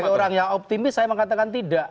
orang yang optimis saya mengatakan tidak